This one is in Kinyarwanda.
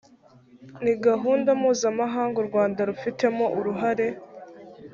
ni gahunda mpuzamahanga u rwanda rufitemo uruhare